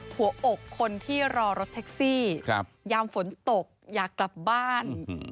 หัวอกคนที่รอรถแท็กซี่ยามฝนตกอยากกลับบ้าน